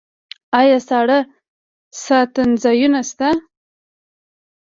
آیا ساړه ساتنځایونه شته؟